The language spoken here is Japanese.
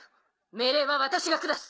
命令は私が下す！